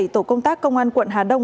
tổ công tác công an quận hà đông